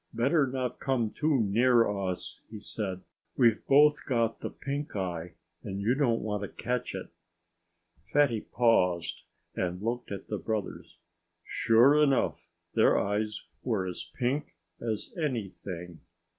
"Better not come too near us!" he said. "We've both got the pink eye, and you don't want to catch it." Fatty paused and looked at the brothers. Sure enough! their eyes were as pink as anything.